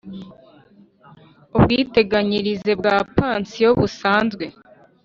Ubwiteganyirize bwa pansiyo busanzwe